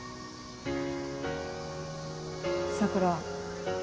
桜。